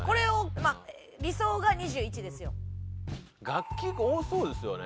楽器多そうですよね。